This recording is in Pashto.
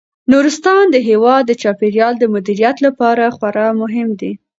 نورستان د هیواد د چاپیریال د مدیریت لپاره خورا مهم دی.